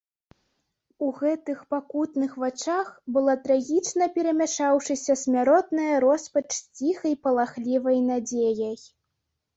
У гэтых пакутных вачах была трагічна перамяшаўшыся смяротная роспач з ціхай палахлівай надзеяй.